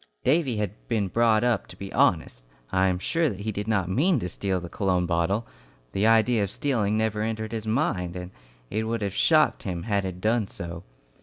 Davy had been brought up to be honest. I am sure that he did not mean to steal the cologne bottle. The idea of stealing never entered his mind, and it would have shocked him had it done so.